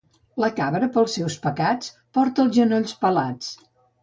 La cabra pels seus pecats porta els genolls pelats